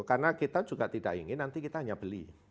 karena kita juga tidak ingin nanti kita hanya beli